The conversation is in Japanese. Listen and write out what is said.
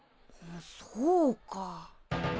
そうか。